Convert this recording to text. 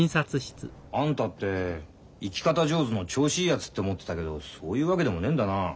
あんたって生き方上手の調子いいやつって思ってたけどそういうわけでもねえんだな。